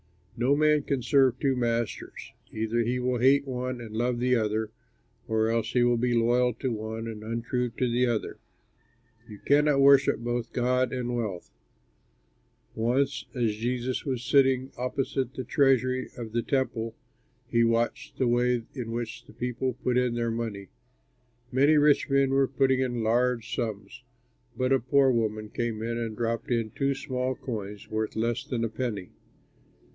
"No man can serve two masters: either he will hate one and love the other, or else he will be loyal to one and untrue to the other. You cannot worship both God and wealth." Once as Jesus was sitting opposite the treasury of the Temple, he watched the way in which the people put in their money. Many rich men were putting in large sums, but a poor woman came and dropped in two small coins worth less than a penny.